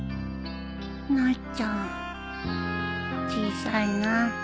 なっちゃん小さいな。